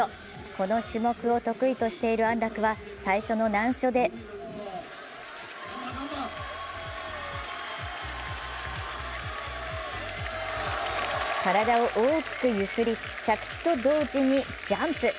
この種目を得意している安楽は最初の難所で体を大きく揺すり、着地と同時にジャンプ。